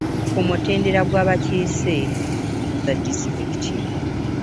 Ku mutendera gw'abakiise ku nkiiko za disitulikiti